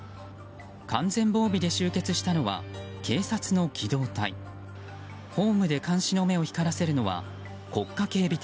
完全防備で集結したのは警察の機動隊。